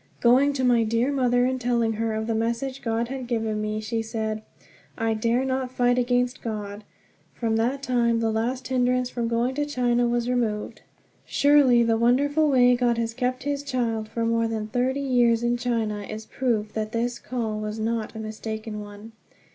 Going to my dear mother and telling her of the message God had given me, she said: "I dare not fight against God." From that time the last hindrance from going to China was removed. Surely the wonderful way God has kept his child for more than thirty years in China is proof that this "call" was not a mistaken one.